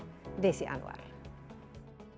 indonesia adalah negara terkena keluarga the force of doc